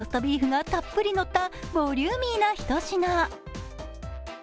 ローストビーフがたっぷりのったボリューミーな一品。